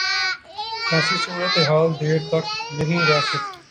ایسی صورتحال دیر تک نہیں رہ سکتی۔